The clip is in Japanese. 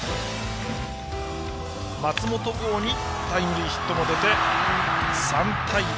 松本剛にタイムリーヒットが出て３対０。